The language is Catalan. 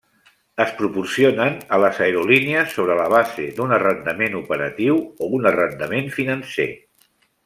Es proporcionen a les aerolínies sobre la base d'un arrendament operatiu o un arrendament financer.